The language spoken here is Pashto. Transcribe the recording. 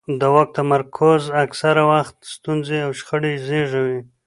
د واک تمرکز اکثره وخت ستونزې او شخړې زیږوي